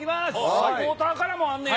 サポーターからもあんねや。